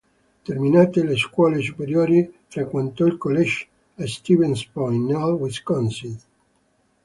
Terminate le scuole superiori, frequentò il college a Stevens Point, nel Wisconsin.